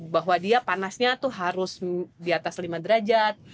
bahwa dia panasnya itu harus di atas lima derajat